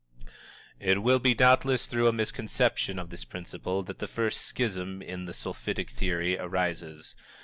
It will be doubtless through a misconception of this principle that the first schism in the Sulphitic Theory arises.